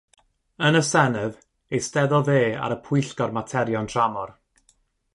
Yn y Senedd, eisteddodd e ar y Pwyllgor Materion Tramor.